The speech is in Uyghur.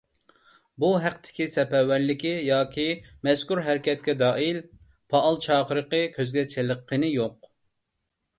بۇ ھەقتىكى سەپەرۋەرلىكى ياكى مەزكۇر ھەرىكەتكە دائىر پائال چاقىرىقى كۆزگە چېلىققىنى يوق.